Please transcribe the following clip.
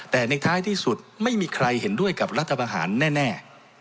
แต่ในท้ายที่สุดไม่มีใครเห็นด้วยกับรัฐบาหารแน่